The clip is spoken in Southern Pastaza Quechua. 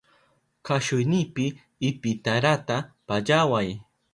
Kashuynipi ipitarata pallaway.